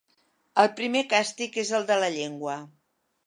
El primer càstig és el de la llengua.